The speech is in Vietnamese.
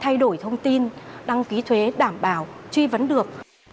thay đổi thông tin đăng ký thuế đảm bảo truy vấn được